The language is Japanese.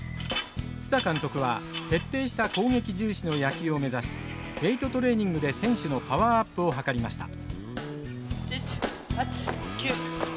蔦監督は徹底した攻撃重視の野球を目指しウエイトトレーニングで選手のパワーアップを図りました。